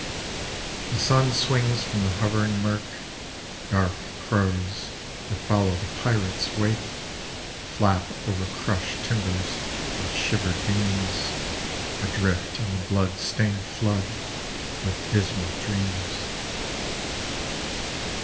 The sun swings from the hovering murk, Dark crows, that follow the pirate's wake, Plap over crushed timbers and shivered beams, Adrift on the hlood stained flood like dismal dreams.